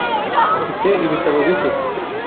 Afite ibitabo bike .